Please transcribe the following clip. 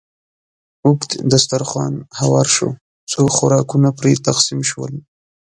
اوږد دسترخوان هوار شو، څو خوراکونه پرې تقسیم شول.